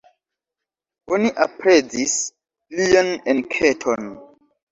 Oni aprezis lian enketon.